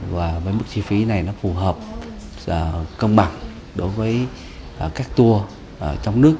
và với mức chi phí này nó phù hợp công bằng đối với các tour trong nước